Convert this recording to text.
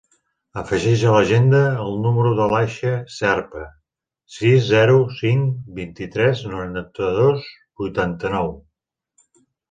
Afegeix a l'agenda el número de l'Aisha Zerpa: sis, zero, cinc, vint-i-tres, noranta-dos, vuitanta-nou.